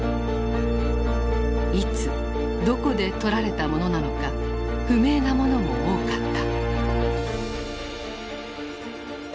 いつどこで撮られたものなのか不明なものも多かった。